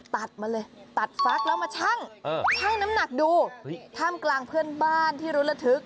ตัดมาเลยตัดฟักแล้วมาชั่งชั่งน้ำหนักดูท่ามกลางเพื่อนบ้านที่รู้ระทึก